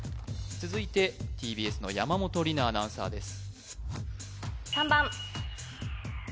続いてＴＢＳの山本里菜アナウンサーです